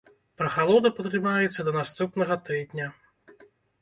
Прахалода пратрымаецца да наступнага тыдня.